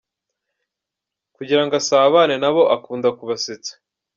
Kugira ngo asabane nabo akunda kubasetsa.